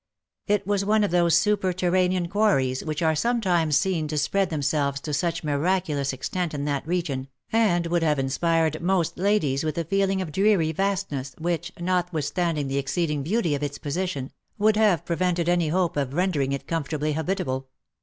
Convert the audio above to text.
It was one of those super terranean quarries which are sometimes seen to spread themselves to such miraculous extent in that region, and would have inspired most ladies with a feeling of dreary vastness, which, notwithstanding the exceeding beauty of its position, would have prevented any hope of rendering it comfortably habitable.